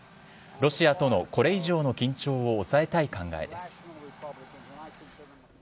ロシアとのこれ以上の緊張を抑えたい考えです。